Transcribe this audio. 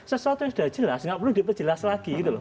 sesuatu yang sudah jelas nggak perlu diperjelas lagi gitu loh